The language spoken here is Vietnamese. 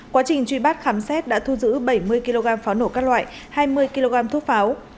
quá trình truy bắt khám xét đã thu giữ bảy mươi kg pháo nổ các loại hai mươi kg thuốc pháo